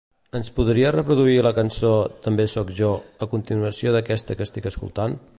Ens podries reproduir la cançó "També sóc jo" a continuació d'aquesta que estic escoltant?